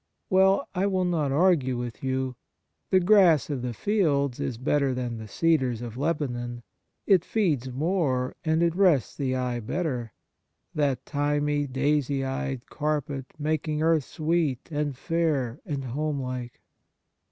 Well, I will not argue with you. The grass of the fields is better than the cedars of Lebanon. It feeds more, and it rests the eye better — that thymy, daisy eyed carpet, making earth sweet, and fair, and homelike.